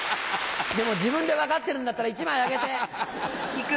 でも自分で分かってるんだったら１枚あげて。